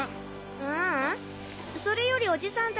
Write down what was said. ううん。それよりおじさん達